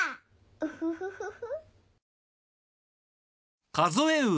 ウフフフフ。